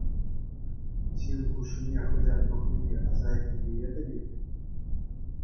Ҫын хушшине хӑҫан тухнине аса илеетӗр-и?